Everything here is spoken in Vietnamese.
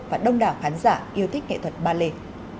và đông đảo khán giả yêu thích nghệ thuật ballet